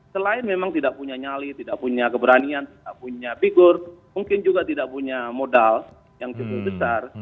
selain memang tidak punya nyali tidak punya keberanian tidak punya figur mungkin juga tidak punya modal yang cukup besar